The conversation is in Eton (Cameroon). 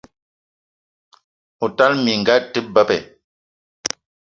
O tala minga a te beb!